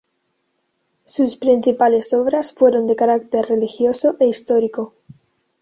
Sus principales obras fueron de carácter religioso e histórico.